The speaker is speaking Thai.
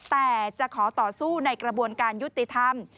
แต่จะขอต่อสู้ในกระบวนการยุติธรรม